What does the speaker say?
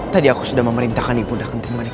tadi aku sudah memerintahkan ibunda kenting manik